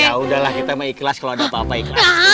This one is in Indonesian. ya udahlah kita mah ikhlas kalau ada apa apa ikhlas